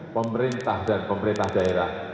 pemerintah dan pemerintah daerah